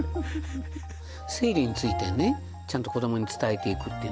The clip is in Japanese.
生理についてねちゃんと子どもに伝えていくっていう。